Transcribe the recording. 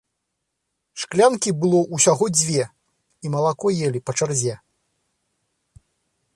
Шклянкі было ўсяго дзве, і малако елі па чарзе.